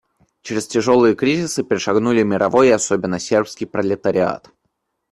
Через тяжелые кризисы перешагнули мировой и особенно сербский пролетариат.